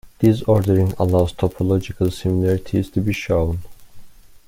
This ordering allows topological similarities to be shown.